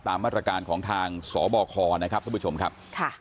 ตามมาตรการของทางสบคนะครับท่านผู้ชมครับ